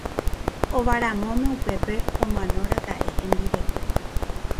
Ovaramóme upépe omanoraka'e hembireko.